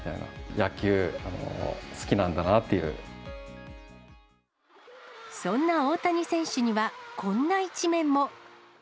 野球、そんな大谷選手には、こんな一面も。